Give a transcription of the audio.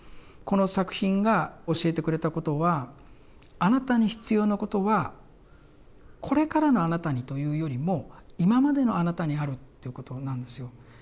この作品が教えてくれたことはあなたに必要なことはこれからのあなたにというよりも今までのあなたにあるっていうことなんですよ。